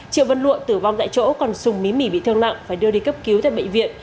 triệu văn lụa tử vong tại chỗ còn sùng mí bị thương nặng phải đưa đi cấp cứu tại bệnh viện